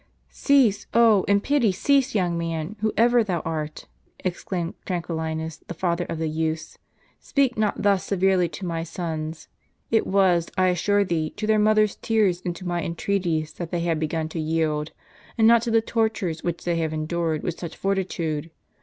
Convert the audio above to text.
"" Cease ; oh, in pity cease, young man, whoever thou art," exclaimed Tranquillinus, the father of the youths. " Speak not thus severely to my sons ; it was, I assure thee, to their mother's tears and to my entreaties that they had begun to yield, and not to the tortures which they have endured with such fortitude.